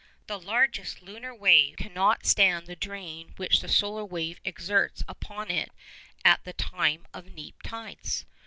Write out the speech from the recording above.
The largest lunar wave cannot stand the drain which the solar wave exerts upon it at the time of neap tides.